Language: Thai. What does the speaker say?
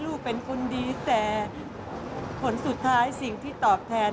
เจ๋เจ๋ดีแปลว่าพอแล้ว